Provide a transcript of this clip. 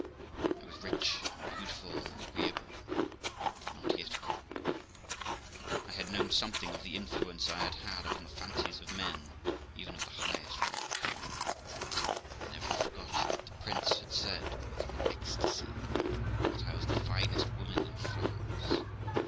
I was rich, beautiful, and agreeable, and not yet old. I had known something of the influence I had had upon the fancies of men even o the highest rank. I never forgot that the Prince de had said, with an ecstasy, that I was the finest woman in France.